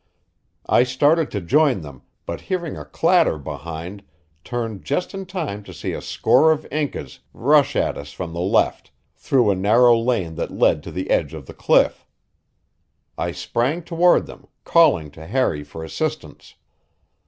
I started to join them, but hearing a clatter behind, turned just in time to see a score of Incas rush at us from the left, through a narrow lane that led to the edge of the cliff. I sprang toward them, calling to Harry for assistance.